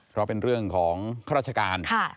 เพราะเป็นเรื่องของข้าราชการ